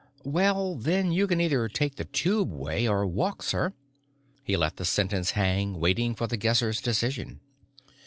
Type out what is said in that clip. Well, then, you can either take the tubeway or walk, sir...." He let the sentence hang, waiting for The Guesser's decision.